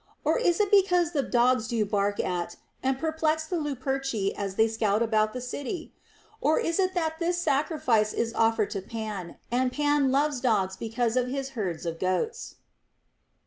Or is it because the dogs do bark at and perplex the Luperci as they scout about the city % Or is it that this sacrifice is offered to Pan, and Pan loves dogs because of his herds of goats.